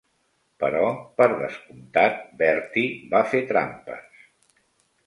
Però, per descomptat, Bertie va fer trampes.